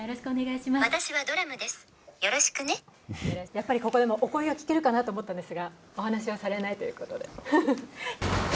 やっぱりここでもお声は聞けるかなと思ったんですがお話はされないということで。